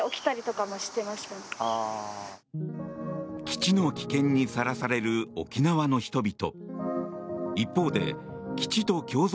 基地の危険にさらされる沖縄の人々。